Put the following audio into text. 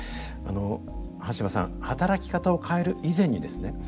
あの端羽さん働き方を変える以前にですね